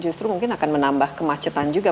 justru mungkin akan menambah kemacetan juga